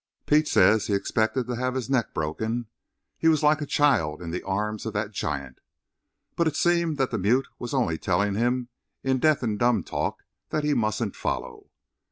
Pete says he expected to have his neck broken he was like a child in the arms of that giant. But it seemed that the mute was only telling him in deaf and dumb talk that he mustn't follow.